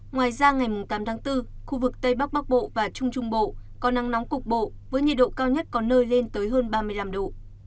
ngoài ra ngày tám tháng bốn khu vực tây bắc bắc bộ và trung trung bộ có nắng nóng cục bộ với nhiệt độ cao nhất có nơi lên tới hơn ba mươi năm độ